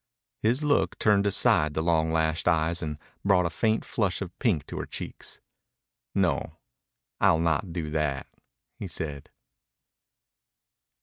His look turned aside the long lashed eyes and brought a faint flush of pink to her cheeks. "No, I'll not do that," he said.